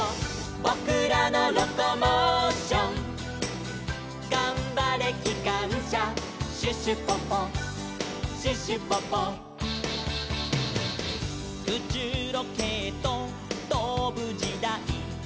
「ぼくらのロコモーション」「がんばれきかんしゃ」「シュシュポポシュシュポポ」「うちゅうロケットとぶじだい」